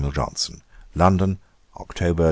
JOHNSON.' 'London, October.